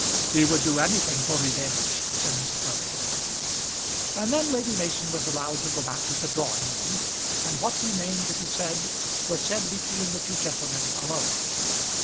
"He would do anything for revenge," said Mr. Furnival. And then Lady Mason was allowed to go back to the drawing room, and what remained to be said was said between the two gentlemen alone.